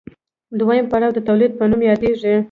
دویم پړاو د تولید په نوم یادېږي